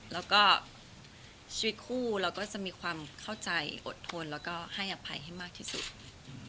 แล้วก็ชีวิตคู่เราก็จะมีความเข้าใจอดทนแล้วก็ให้อภัยให้มากที่สุด